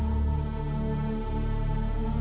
tidak tidak tidak